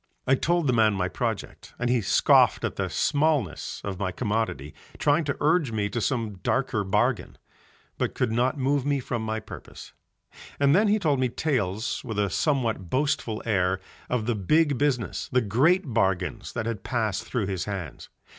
I told the old man my project, and he scoffed at the smallness of my commodity trying to urge me to some darker bargain, but could not move me from my purpose. And then he told me tales with a somewhat boastful air of the big business, the great bargains that had passed through his hands.